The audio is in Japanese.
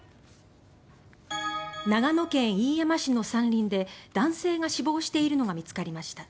長野県飯山市の山林で男性が死亡しているのが見つかりました。